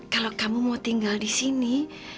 kalau kamu mau tinggal di sini